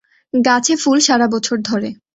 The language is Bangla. গাছে ফুল সারাবছর ধরে।